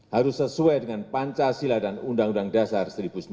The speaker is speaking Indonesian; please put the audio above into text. harus sesuai dengan pancasila dan undang undang dasar seribu sembilan ratus empat puluh